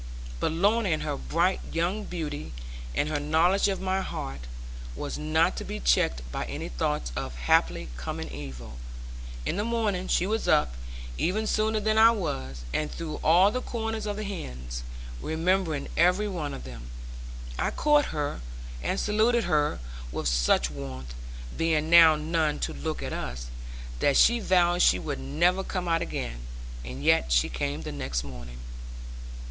But Lorna in her bright young beauty, and her knowledge of my heart, was not to be checked by any thoughts of haply coming evil. In the morning she was up, even sooner than I was, and through all the corners of the hens, remembering every one of them. I caught her and saluted her with such warmth (being now none to look at us), that she vowed she would never come out again; and yet she came the next morning.